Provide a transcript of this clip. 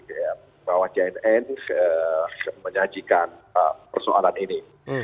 terima kasih pak wajahin n menyajikan persoalan ini